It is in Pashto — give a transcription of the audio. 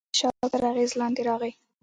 هغه د شواب تر اغېز لاندې راغی